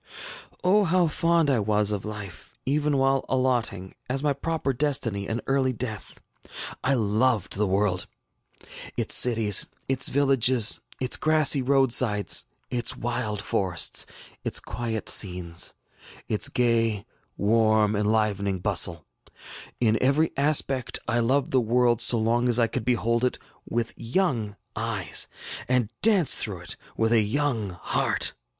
ŌĆ£O, how fond I was of life, even while allotting, as my proper destiny, an early death! I loved the world, its cities, its villages, its grassy roadsides, its wild forests, its quiet scenes, its gay, warm, enlivening bustle; in every aspect, I loved the world so long as I could behold it with young eyes and dance through it with a young heart.